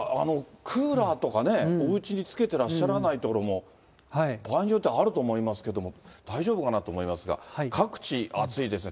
クーラーとかね、おうちにつけてらっしゃらないところも、場合によってはあると思いますけれども、大丈夫かなと思いますが、各地、暑いですね。